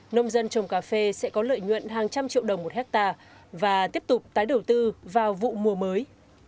nông dân trồng cà phê sẽ có lợi nhuận hàng trăm triệu đồng một hectare và tiếp tục tái đầu tư vào vụ mùa mới